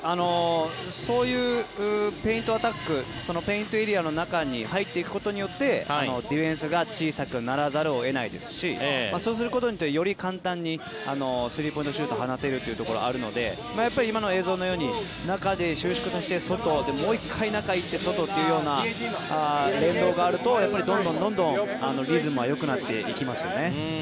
そういうペイントアタックペイントエリアの中に入っていくことによってディフェンスが小さくならざるを得ないですしそうすることによってより簡単にスリーポイントシュートを放てるというところがあるのでやっぱり今の映像のように中で収縮させて外で、もう１回、中に行って外という連動があるとどんどんリズムはよくなっていきますよね。